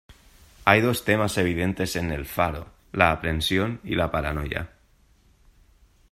Hay dos temas evidentes en "El faro": la aprensión y la paranoia.